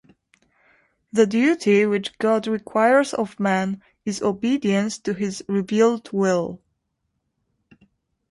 The duty which God requires of man, is obedience to his revealed will.